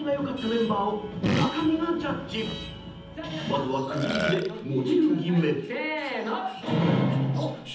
［まずはくじ引きでモデル決め］せーの。